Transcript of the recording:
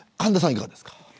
いかがですか。